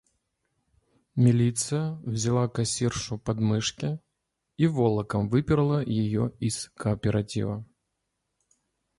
Милиция взяла кассиршу под мышки и волоком выперла её из кооператива.